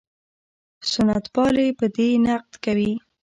سنت پالي په دې نقد کوي.